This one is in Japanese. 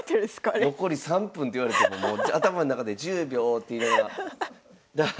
残り３分って言われてももう頭ん中で「１０秒」って言いながら。